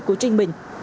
của trên mình